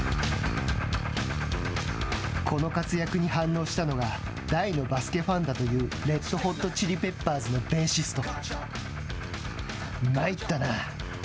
この活躍に反応したのが大のバスケファンだというレッド・ホット・チリ・ペッパーズのベーシスト。